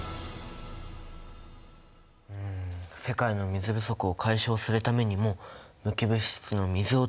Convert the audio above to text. うん世界の水不足を解消するためにも無機物質の水を取り出す。